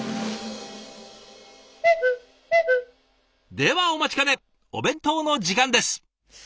ではお待ちかねお弁当の時間です。